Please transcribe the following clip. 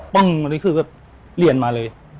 ปึ้งนี่คือเหรียญมาเลย